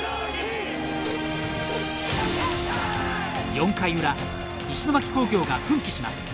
４回裏石巻工業が奮起します。